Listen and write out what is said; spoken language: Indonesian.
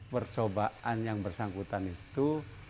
percobaan yang bersangkutan itu